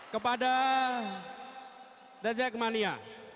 kepada dajak mania